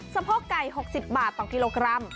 สะโพกไก่๖๐บาทต่อกิโลกรัม